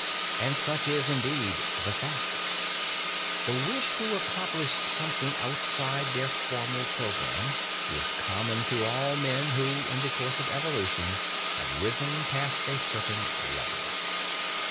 And such is, indeed, the fact. The wish to accomplish something outside their formal programme is common to all men who in the course of evolution have risen past a certain level.